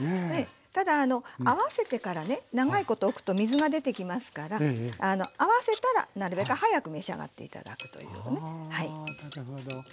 ただ合わせてからね長いことおくと水が出てきますから合わせたらなるべく早く召し上がって頂くというのがねはい。